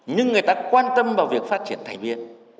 nhưng người ta quan tâm vào việc phát triển thành viên